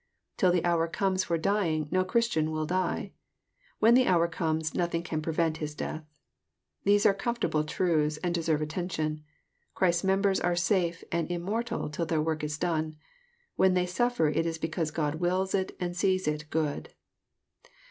Till the hour comes for dying no Christian will die. When the hour comes nothing can prevent his death. These are comfortable truths, and deserve attention. Christ's members are safe and immortal till their work is done. When they suffer it is because God wills it and sees it good.